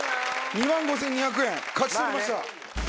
２万５２００円勝ち取りました。